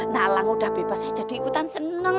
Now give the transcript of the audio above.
nak elang udah bebas aja di ikutan seneng